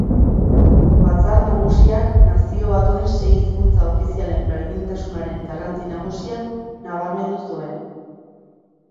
Batzar Nagusiak "Nazio Batuen sei hizkuntza ofizialen berdintasunaren garrantzi nagusia" nabarmendu zuen.